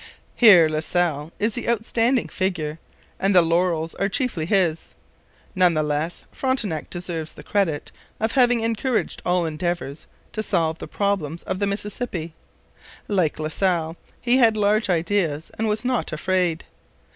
Here La Salle is the outstanding figure and the laurels are chiefly his. None the less, Frontenac deserves the credit of having encouraged all endeavours to solve the problem of the Mississippi. Like La Salle he had large ideas and was not afraid.